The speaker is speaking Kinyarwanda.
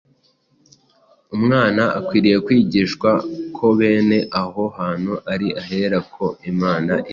umwana akwiriye kwigishwa ko bene aho hantu ari ahera kuko Imana iba ihari.